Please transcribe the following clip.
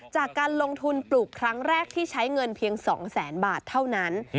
จากการลงทุนปลูกครั้งแรกที่ใช้เงินเพียง๒แสนบาทเท่านั้น